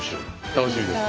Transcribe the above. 楽しみですね。